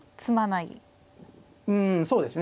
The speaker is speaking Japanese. うんそうですね。